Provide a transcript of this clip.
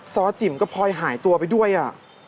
ซ้อจิ๋มก็พลอยหายตัวไปด้วย